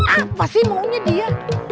apa sih maunya dia